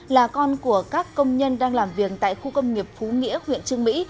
là con của các công nhân đang làm việc tại khu công nghiệp phú nghĩa huyện trương mỹ